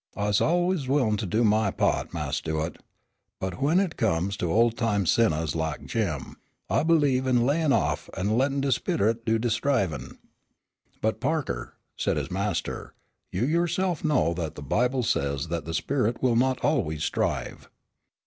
I's allus willin' to do my pa't, Mas' Stuart, but w'en hit comes to ol' time sinnahs lak Jim, I believe in layin' off, an' lettin' de sperit do de strivin'." "But Parker," said his master, "you yourself know that the Bible says that the spirit will not always strive."